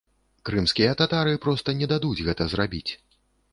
Крымскія татары проста не дадуць гэта зрабіць!